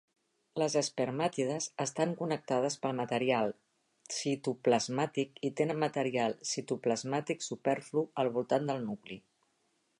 Les espermàtides estan connectades per material citoplasmàtic i tenen material citoplasmàtic superflu al voltant del nucli.